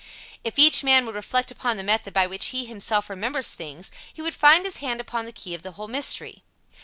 If each man would reflect upon the method by which he himself remembers things, he would find his hand upon the key of the whole mystery.